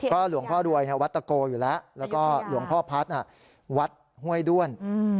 หลวงพ่อรวยวัดตะโกอยู่แล้วแล้วก็หลวงพ่อพัฒน์วัดห้วยด้วน